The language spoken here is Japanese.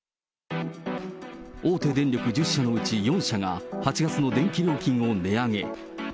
大手電力１０社のうち４社が、８月の電気料金を値上げ。